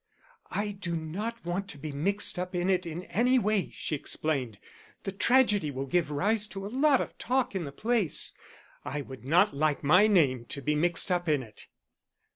"I do not want to be mixed up in it in any way," she explained. "The tragedy will give rise to a lot of talk in the place. I would not like my name to be mixed up in it."